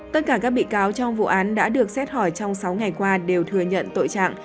tất cả các bị cáo trong vụ án đã được xét hỏi trong sáu ngày qua đều thừa nhận tội trạng